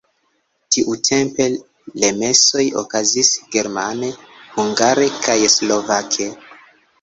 Tiutempe le mesoj okazis germane, hungare kaj slovake.